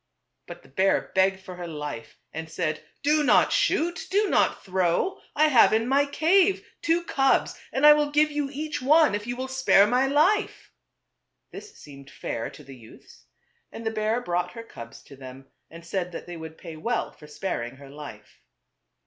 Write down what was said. But the bear begged for her life and said, " Do not shoot, do not throw. I have in my 288 TWO Bit OTHERS. cave two cubs and I will give you each one if you will spare my life. ,? This seemed fair to the youths ; and the bear brought her cubs to them and said that they would pay well for sparing her life.